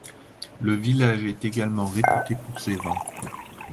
Le village est également réputé pour ses vins.